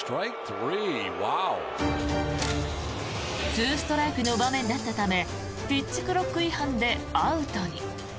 ２ストライクの場面だったためピッチクロック違反でアウトに。